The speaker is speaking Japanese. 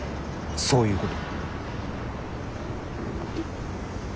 そういうこと。